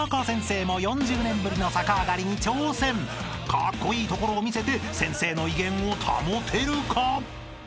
［カッコイイところを見せて先生の威厳を保てるか？］